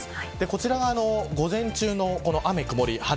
こちらが午前中の雨、曇り、晴れ